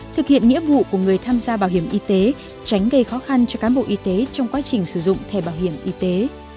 thực hiện nghĩa vụ của người tham gia bảo hiểm y tế tránh gây khó khăn cho cán bộ y tế trong quá trình sử dụng thẻ bảo hiểm y tế